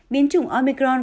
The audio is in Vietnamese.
biến chủng omicron